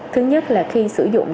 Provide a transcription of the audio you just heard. thứ nhất là khi sử dụng